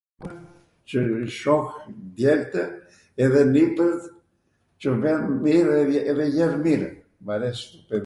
qw shoh djeltw edhe niprtw qw ven mirw edhe jan mirw... μ' αρέσει...